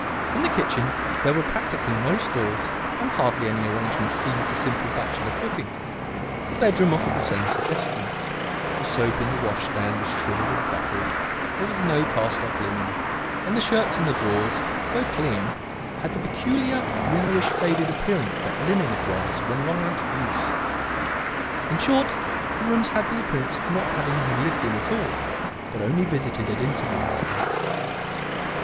In the kitchen there were practically no stores and hardly any arrangements even for simple bachelor cooking; the bedroom offered the same suggestion; the soap in the wash stand was shrivelled and cracked; there was no cast off linen, and the shirts in the drawers, though clean, had the peculiar yellowish, faded appearance that linen acquires when long out of use. In short, the rooms had the appearance of not having been lived in at all, but only visited at intervals.